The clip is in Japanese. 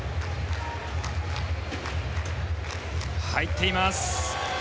入っています。